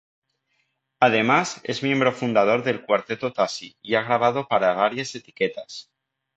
Además, es miembro fundador del Cuarteto Tashi y ha grabado para varias etiquetas.